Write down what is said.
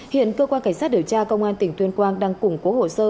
hiện cơ quan cảnh sát điều tra công an tỉnh tuyên quang đang củng cố hồ sơ